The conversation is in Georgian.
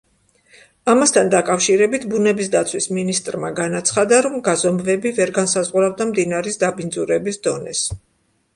ამასთან დაკავშირებით, ბუნების დაცვის მინისტრმა განაცხადა, რომ გაზომვები ვერ განსაზღვრავდა მდინარის დაბინძურების დონეს.